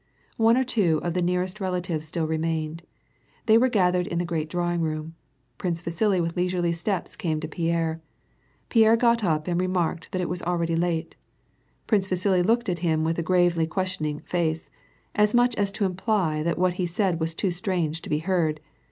One or two of the nearest relatives still remained. They were gathered in the great drawing room. Prince Vasili with leisurely steps came to Pierre. Pierre got up and remarked that it was already late. Prince Vasili looked at him with a gravely questioning face, as much as to imply that what he said was too strange to be heard.